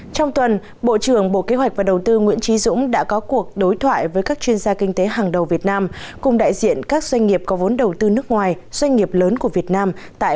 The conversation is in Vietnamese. tại hội thảo triển vọng kinh tế việt nam năm hai nghìn một mươi tám đến năm hai nghìn hai mươi